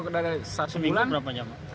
dari seminggu berapa jam